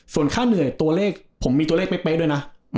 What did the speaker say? ส่วนค่าเหนื่อยตัวเลขผมมีตัวเลขเป๊ะด้วยนะ